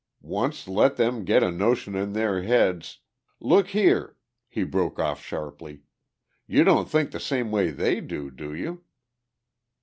Once let them get a notion in their heads.... Look here!" he broke off sharply. "You don't think the same way they do, do you?"